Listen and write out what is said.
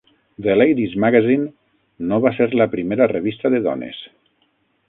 "The Lady's Magazine" no va ser la primera revista de dones.